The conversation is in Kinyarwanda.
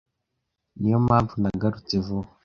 Niyo mpamvu nagarutse vuba.